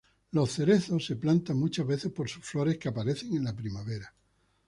Los cerezos se plantan muchas veces por sus flores que aparecen en la primavera.